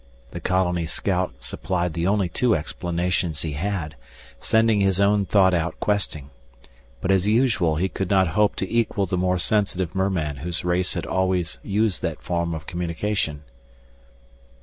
The colony scout supplied the only two explanations he had, sending his own thought out questing. But as usual he could not hope to equal the more sensitive merman whose race had always used that form of communication.